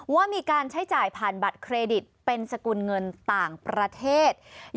ว่ามีการใช้จ่ายผ่านบัตรเครดิตเป็นสกุลเงินต่างประเทศ